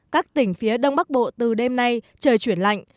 các tỉnh phía đông bắc bộ từ đêm nay trời chuyển lạnh